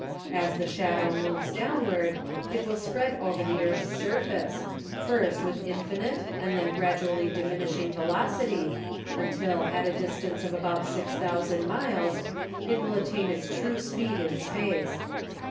As the shadow moves downward it will spread over the earth's surface, first with infinite and then gradually diminishing velocity until at a distance of about 6,000 miles it will attain its true speed in space.